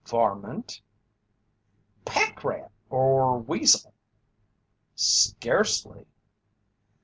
"Varmint?" "Pack rat or weasel?" "Scarcely!"